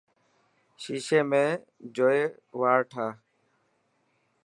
شيشي ۾ جوئي واڙ ٺاهه.